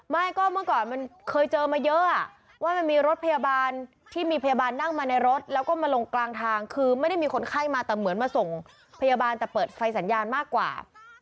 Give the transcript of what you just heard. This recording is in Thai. ไม่ก็เมื่อก่อนมันเคยเจอมาเยอะว่ามันมีรถพยาบาลที่มีพยาบาลนั่งมาในรถแล้วก็มาลงกลางทางคือไม่ได้มีคนไข้มาแต่เหมือนมาส่งพยาบาลแต่เปิดไฟสัญญาณมากกว่า